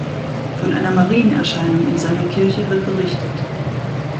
Von einer Marienerscheinung in seiner Kirche wird berichtet.